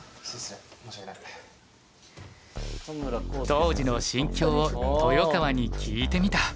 当時の心境を豊川に聞いてみた。